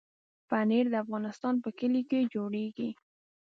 پنېر د افغانستان په کلیو کې جوړېږي.